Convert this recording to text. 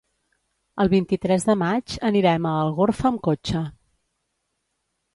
El vint-i-tres de maig anirem a Algorfa amb cotxe.